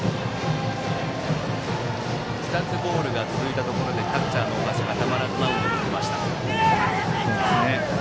２つボールが続いたところでキャッチャーがたまらずマウンドに行きました。